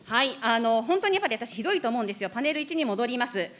本当にひどいと思うんですよ、私、パネル１に戻ります。